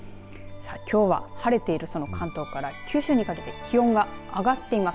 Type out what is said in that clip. さあ、きょうは晴れているその関東から九州にかけて気温が上がっています。